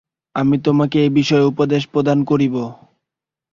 আমি তোমাকে এই বিষয়ে উপদেশ প্রদান করিব।